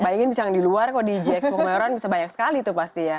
bayangin bisa yang di luar kok di jx bumayoran bisa banyak sekali tuh pasti ya